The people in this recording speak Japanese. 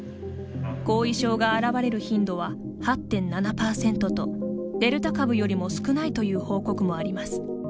後遺症が表れる頻度は８．７％とデルタ株よりも少ないという報告もあります。